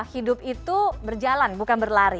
hidup itu berjalan bukan berlari